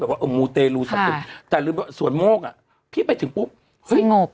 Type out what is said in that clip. แบบว่าเออมูเตรลูค่ะแต่ลืมว่าสวนโมกอ่ะพี่ไปถึงปุ๊บสงบ